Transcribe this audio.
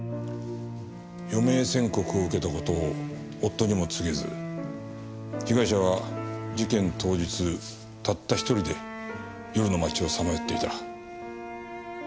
余命宣告を受けた事を夫にも告げず被害者は事件当日たった１人で夜の街をさまよっていた。